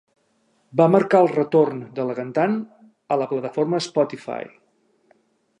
Va marcar el retorn de la cantant a la plataforma Spotify.